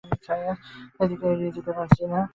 এটাকে এড়িয়ে যেতেই পারছি না।